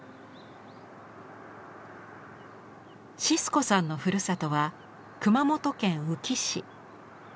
シスコさんのふるさとは熊本県宇城市。